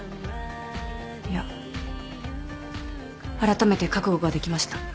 いやあらためて覚悟ができました。